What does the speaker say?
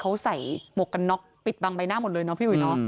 เขาใส่หมวกกันน็อคปิดบังใบหน้าหมดเลยน้องพี่หวี